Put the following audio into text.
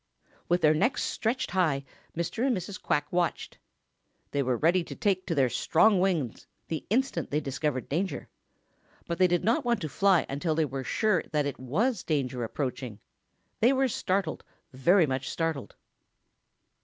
With their necks stretched high, Mr. and Mrs. Quack watched. They were ready to take to their strong wings the instant they discovered danger. But they did not want to fly until they were sure that it was danger approaching. They were startled, very much startled.